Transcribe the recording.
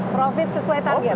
profit sesuai target